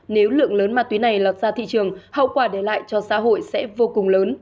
nếu lượng lớn ma túy này lọt ra thị trường hậu quả để lại cho xã hội sẽ vô cùng lớn